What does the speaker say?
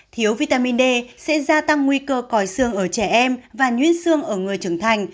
thiếu vitamin d sẽ gia tăng nguy cơ còi xương ở trẻ em và nhuyễn xương ở người trưởng thành